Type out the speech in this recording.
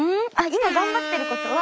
今頑張ってることは。